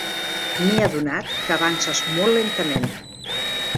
M'he adonat que avances molt lentament.